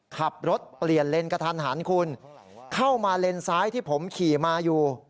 ขับรถเปลี่ยนเลนกระทันหันคุณเข้ามาเลนซ้ายที่ผมขี่มาอยู่